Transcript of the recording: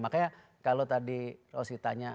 makanya kalau tadi rosi tanya